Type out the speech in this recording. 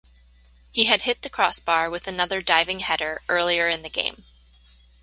He had hit the crossbar with another diving header earlier in the game.